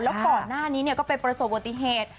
แล้วก่อนหน้านี้ก็ไปประสบวติเหตุ